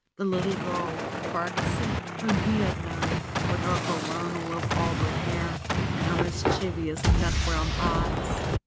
The little girl, Birksie, whom he had known, with her coronal of auburn hair and her mischievous, nut brown eyes!